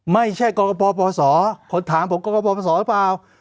ไม่ใช่กวงกฎบบศผลถามผมกวงกฎบศหรือเปล่า